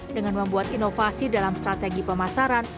dengan membuat inovasi dalam strategi pemasaran